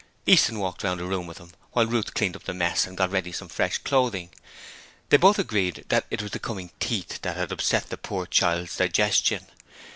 Easton walked about with him while Ruth cleaned up the mess and got ready some fresh clothing. They both agreed that it was the coming teeth that had upset the poor child's digestion.